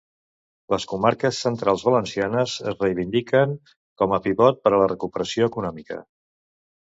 Les comarques centrals valencianes es reivindiquen com a pivot per a la recuperació econòmica.